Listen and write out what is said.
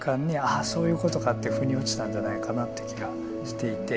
あそういうことかって腑に落ちたんじゃないかなって気がしていて。